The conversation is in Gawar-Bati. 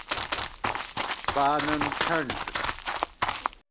بانَن کھنٹ